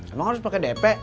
emang harus pakai dp